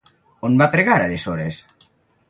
On van pregar, aleshores?